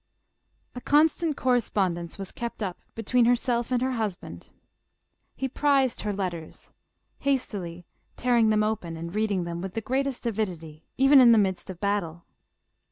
A constant correspondence was kept up between her self and husband. He prized her letters, hastily tear 244 JOSEPHINE. ing them open and reading them with the greatest avidjj^r, even in the midst of battle.